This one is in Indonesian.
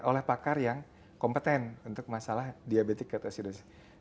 oleh pakar yang kompeten untuk masalah diabetik ketoasidosis